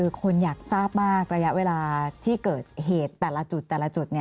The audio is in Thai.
คือคนอยากทราบมากระยะเวลาที่เกิดเหตุแต่ละจุดแต่ละจุด